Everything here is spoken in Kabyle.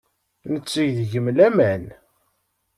Netteg deg-m laman.